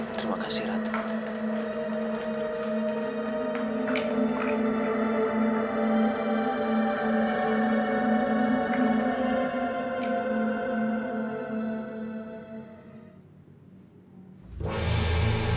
terima kasih ratu